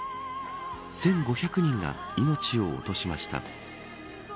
１５００人が命を落としました。